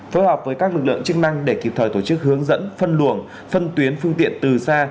phối hợp với các lực lượng chức năng để kịp thời tổ chức hướng dẫn phân luồng phân tuyến phương tiện từ xa